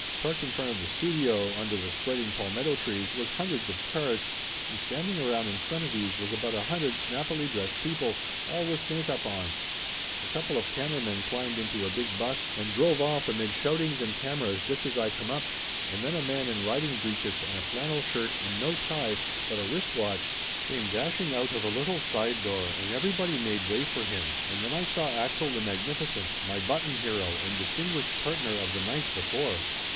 Parked in front of the studio under the spreading palmetto trees was hundreds of cars, and standing around in front of these was about a hundred snappily dressed people, all with make up on. A couple of cameramen climbed into a big bus and drove off amid shoutings and cameras just as I come up, and then a man in riding breeches and a flannel shirt and no tie, but a wrist watch, came dashing out of a little side door and everybody made way for him, and then I saw Axel the Magnificent, my button hero and distin guished partner of the night before.